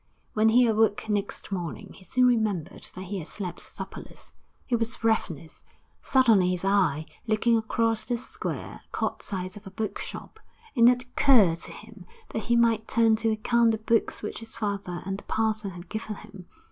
When he awoke next morning, he soon remembered that he had slept supperless; he was ravenous. Suddenly his eye, looking across the square, caught sight of a book shop, and it occurred to him that he might turn to account the books which his father and the parson had given him.